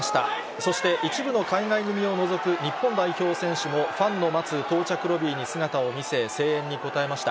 そして一部の海外組を除く、日本代表選手もファンの待つ到着ロビーに姿を見せ、声援に応えました。